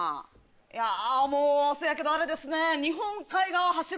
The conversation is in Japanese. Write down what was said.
いやもうせやけどあれですね。